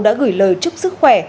đã gửi lời chúc sức khỏe